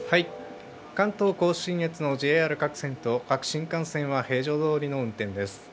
関東甲信越のＪＲ各線と各新幹線は平常どおりの運転です。